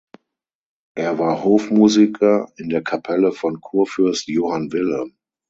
Er war Hofmusiker in der Kapelle von Kurfürst Johann Wilhelm.